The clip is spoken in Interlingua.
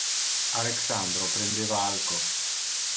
Alexandro prendeva alco.